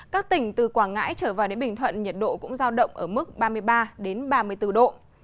các tỉnh từ quảng ngãi trở vào đến bình thuận nhiệt độ cũng giao động ở mức ba mươi ba ba mươi bốn độ